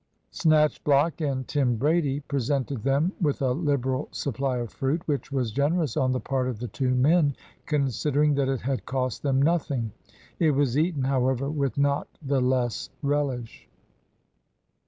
Snatchblock and Tim Brady presented them with a liberal supply of fruit, which was generous on the part of the two men, considering that it had cost them nothing. It was eaten, however, with not the less relish.